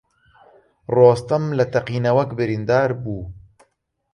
ڕۆستەم لە تەقینەوەک بریندار بوو.